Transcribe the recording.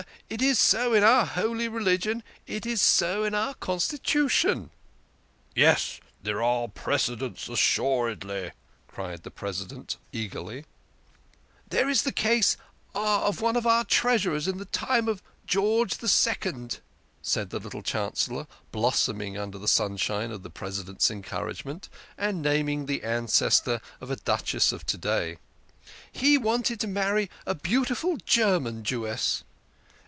" It is so in our holy religion, it is so in our constitution." " Yes, there are precedents assuredly," cried the Presi dent eagerly. " There is the case of one of our Treasurers in the time of George II.," said the little Chancellor, blossoming under the sunshine of the President's encouragement, and naming the THE KING OF SCHNORRERS. 119 ancestor of a Duchess of to day. " He wanted to marry a beautiful German Jewess."